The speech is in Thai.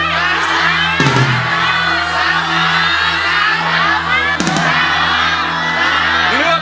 ก็คือ